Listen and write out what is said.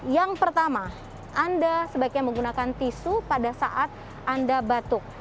yang pertama anda sebaiknya menggunakan tisu pada saat anda batuk